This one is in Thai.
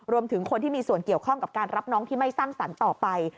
รวมถึงคนที่มีส่วนเกี่ยวข้องกับการรับน้องที่ไม่สร้างสรรค์ต่อไป